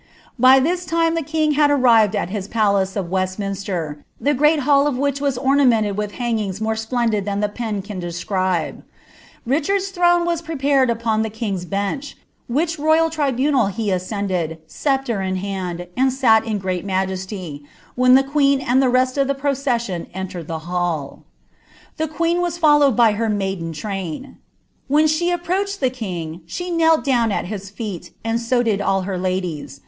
By this time the king had arrived at his palace of Westminster, the great hall of which was ornamented with hangings more splendid than the pen can describe. Richard's throne was prepared upon the King's Bench, which royal tribunal he ascended, sceptre in hand, and sat in great majesty, when the queen and the rest of the procession entered the hall. The queen was followed by her maiden train. When she approached the king, she knelt down at his feet, and so did all her ladies.